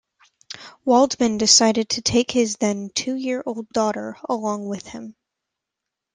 Waldman decided to take his then two-year-old daughter along with him.